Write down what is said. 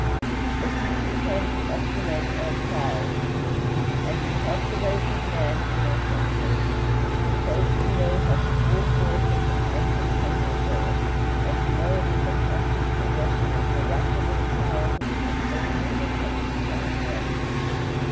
But he who came to estimate our trials, and to help the race of man in their temptations, chose to know what the full force of the pangs of hunger were, and to know it in the conscious possession of miraculous power which could at any moment have supplied them.